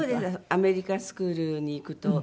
アメリカンスクールに行くと翁倩玉。